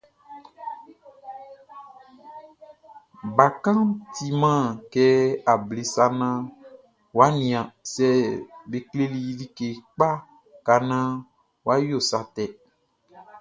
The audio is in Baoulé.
Bakanʼn timan kɛ able sa naan wʼa nian sɛ be kleli i like kpa ka naan wʼa yo sa tɛ.